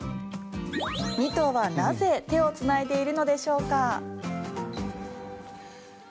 ２頭はなぜ手をつないでいるのでしょうか。